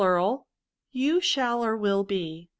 You shall, or will, be.